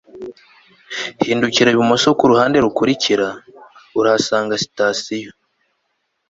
hindukirira ibumoso kuruhande rukurikira, urahasanga sitasiyo